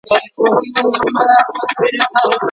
خامي شیدې څښل څه زیان لري؟